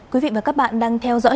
quý vị và các bạn đang theo dõi